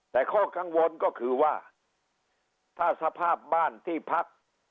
แต่ข้อกังวลก็คือว่าถ้าสภาพบ้านที่พัก